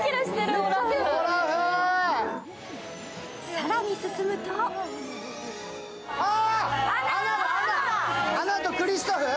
更に進むとアナとクリストフ？